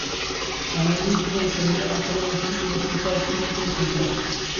A ministra de Sanidade tamén estivo no hospital Clínico de Santiago.